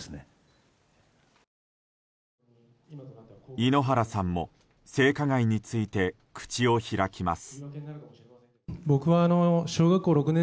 井ノ原さんも性加害について口を開きます。